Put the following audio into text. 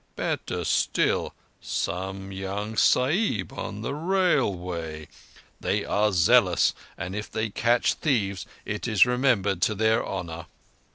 Better still, some young Sahib on the Railway! They are zealous, and if they catch thieves it is remembered to their honour."